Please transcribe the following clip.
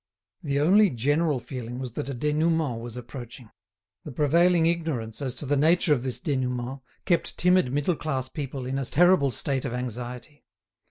The only general feeling was that a dénouement was approaching. The prevailing ignorance as to the nature of this dénouement kept timid middle class people in a terrible state of anxiety.